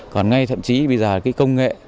còn ngay thậm chí bây giờ công nghệ